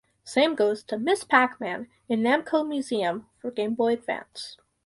Same goes to "Ms. Pac-Man" in "Namco Museum" for Game Boy Advance.